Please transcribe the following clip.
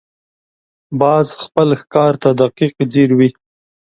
باز خپل ښکار ته دقیق ځیر وي